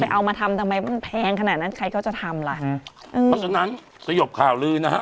เอามาทำทำไมมันแพงขนาดนั้นใครเขาจะทำล่ะอืมเพราะฉะนั้นสยบข่าวลือนะฮะ